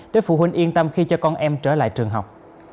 để phụ huynh yên tâm khi cho con em trở lại trường học